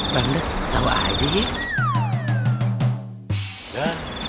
bangda tau aja ya